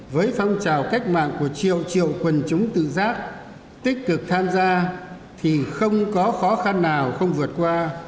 với phong trào cách mạng của triệu triệu quần chúng tự giác tích cực tham gia thì không có khó khăn nào không vượt qua